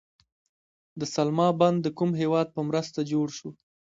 د سلما بند د کوم هیواد په مرسته جوړ شو؟